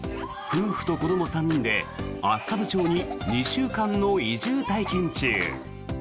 夫婦と子ども３人で厚沢部町に２週間の移住体験中。